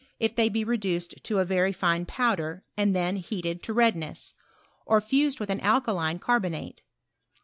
191 if they be reduced to a very fine powder, and then heated to redness, or fused with an alkaline car bonate.